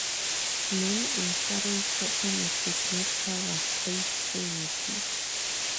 Many insurance companies did not cover Straight's services.